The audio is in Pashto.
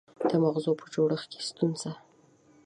د مغز په جوړښت کې ستونزه